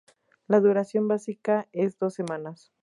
La duración básica es dos semanas.